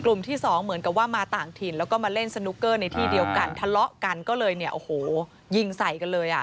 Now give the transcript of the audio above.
ที่สองเหมือนกับว่ามาต่างถิ่นแล้วก็มาเล่นสนุกเกอร์ในที่เดียวกันทะเลาะกันก็เลยเนี่ยโอ้โหยิงใส่กันเลยอ่ะ